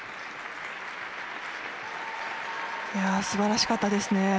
すばらしかったですね。